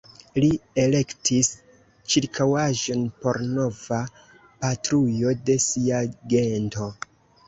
Li elektis ĉirkaŭaĵon por nova patrujo de sia gento.